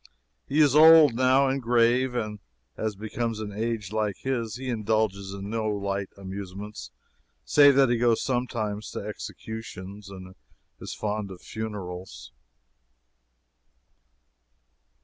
He is old, now, and grave, as becomes an age like his; he indulges in no light amusements save that he goes sometimes to executions, and is fond of funerals.